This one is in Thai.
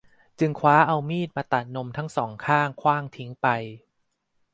จึงคว้าเอามีดมาตัดนมทั้งสองข้างขว้างทิ้งไป